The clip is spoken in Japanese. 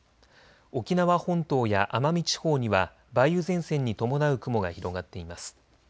沖縄本島や奄美地方には梅雨前線に伴う雲が広がっています。